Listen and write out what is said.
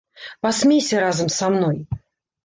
Пасмейся разам са мной.